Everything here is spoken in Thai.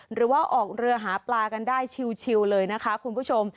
หรือว่าออกเรือหาปลากันได้ชิวเลยนะคะคุณผู้ชม